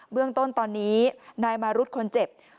เรื่องต้นตอนนี้นายมารุธคนเจ็บ